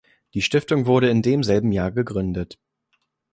Die Stiftung wurde in demselben Jahr gegründet.